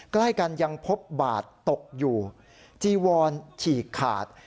ใกล้กันยังพบบาดตกอยู่จีวอนฉีกขาด